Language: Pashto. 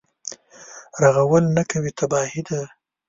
رغول نه کوي تباهي ده.